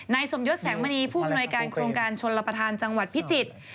สมยศแสงมณีผู้อำนวยการโครงการชนรับประทานจังหวัดพิจิตร